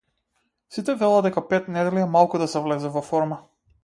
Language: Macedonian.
Сите велат дека пет недели е малку да се влезе во форма.